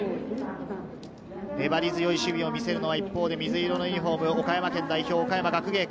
粘り強い守備を見せるのは一方で水色のユニホーム、岡山県代表・岡山学芸館。